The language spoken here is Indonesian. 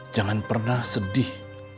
jangan pernah sedih